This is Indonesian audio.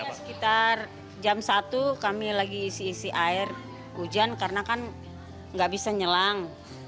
sekitar jam satu kami lagi isi isi air hujan karena kan nggak bisa nyelang